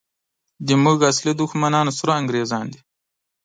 زموږ اصلي دښمنان سره انګریزان دي!